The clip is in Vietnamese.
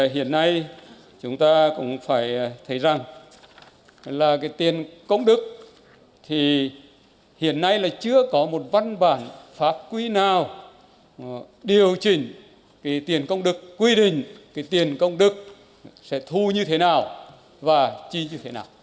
hiện nay chúng ta cũng phải thấy rằng là cái tiền công đức thì hiện nay là chưa có một văn bản pháp quý nào điều chỉnh cái tiền công đức quy định cái tiền công đức sẽ thu như thế nào và chi như thế nào